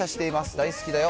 大好きだよ。